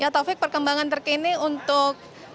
taufik perkembangan terkini untuk